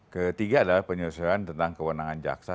ketiga adalah penyelesaian tentang kewenangan jaksa